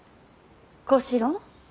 小四郎。